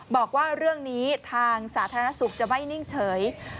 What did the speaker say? บอกว่าเรื่องนี้ทางสาธารณสุขจะไม่นิ่งเฉย